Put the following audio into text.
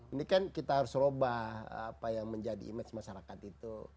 ini kan kita harus ubah apa yang menjadi image masyarakat itu